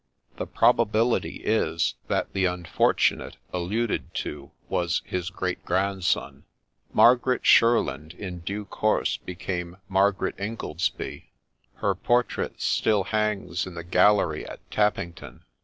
The probability is, that the unfortunate alluded to was his great grandson. Margaret Shurland in due course became Margaret Ingoldsby : her portrait still hangs in the gallery at Tappington.